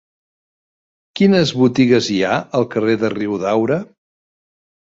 Quines botigues hi ha al carrer de Riudaura?